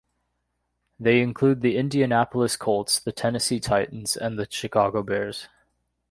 They include the Indianapolis Colts, the Tennessee Titans, and the Chicago Bears.